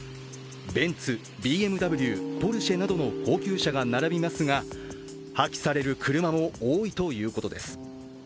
ベンツ、ＢＭＷ、ポルシェなどの高級車が並びますが、破棄される車も多いということです。